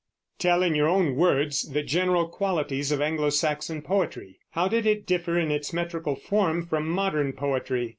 Tell in your own words the general qualities of Anglo Saxon poetry. How did it differ in its metrical form from modern poetry?